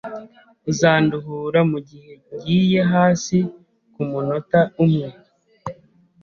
Uzanduhura mugihe ngiye hasi kumunota umwe?